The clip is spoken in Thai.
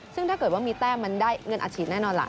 ซึ่งถ้าเกิดว่ามีแต้มมันได้เงินอัดฉีดแน่นอนล่ะ